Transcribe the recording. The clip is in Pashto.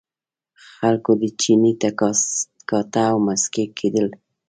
خلکو دې چیني ته کاته او مسکي کېدل.